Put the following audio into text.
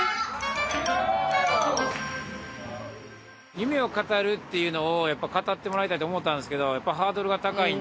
夢を語るっていうのを語ってもらいたいと思ったんですけどやっぱハードルが高いんで。